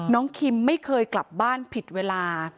คิมไม่เคยกลับบ้านผิดเวลา